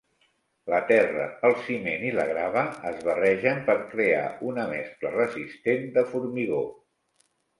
La terra, el ciment i la grava es barregen per crear una mescla resistent de formigó.